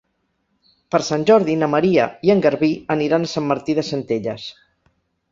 Per Sant Jordi na Maria i en Garbí aniran a Sant Martí de Centelles.